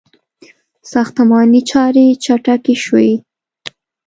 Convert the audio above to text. • ساختماني چارې چټکې شوې.